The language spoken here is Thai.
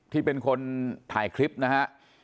ที่เป็นคนถ่ายคลิปนะฮะ